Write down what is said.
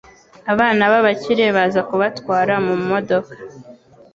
Abana babakire bazakubatwara mumodoka